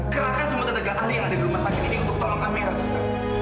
kerahkan semua tentaga alih yang ada di rumah pagi ini untuk tolong amira buster